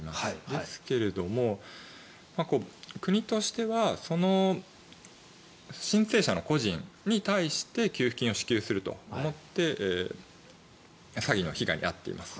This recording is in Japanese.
ですけれども、国としてはその申請者の個人に対して給付金を支給すると思って詐欺の被害に遭っています。